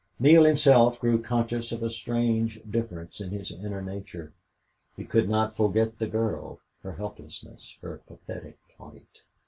Neale himself grew conscious of a strange difference in his inner nature; he could not forget the girl, her helplessness, her pathetic plight.